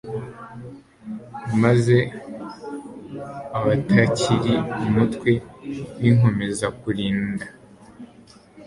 maze abatakili umutwe winkomezakulinda